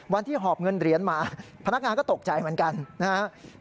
หอบเงินเหรียญมาพนักงานก็ตกใจเหมือนกันนะครับ